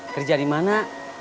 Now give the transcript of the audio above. kerja di mana